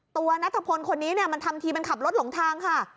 ตัวนัทพลคนนี้เนี่ยมันทำทีเป็นขับรถหลงทางค่ะ